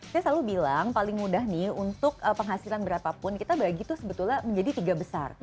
saya selalu bilang paling mudah nih untuk penghasilan berapapun kita bagi tuh sebetulnya menjadi tiga besar